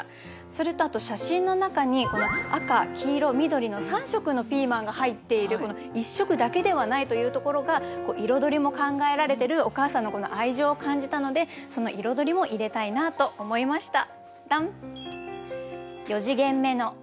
それとあと写真の中に赤黄色緑の３色のピーマンが入っているこの１色だけではないというところが彩りも考えられてるお母さんの愛情を感じたのでその彩りも入れたいなと思いました。